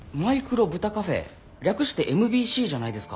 略してＭＢＣじゃないですか。